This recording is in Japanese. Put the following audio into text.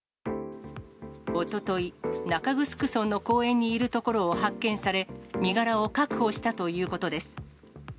おととい、中城村の公園にいるところを発見され、身柄を確保したということです。